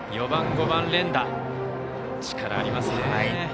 ４番、５番連打、力がありますね。